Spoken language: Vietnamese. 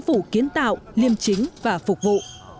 phụ kiến tạo liêm chính và phục vụ